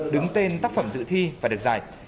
đứng tên tác phẩm dự thi và được giải